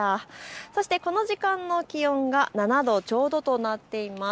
そしてこの時間の気温が７度ちょうどとなっています。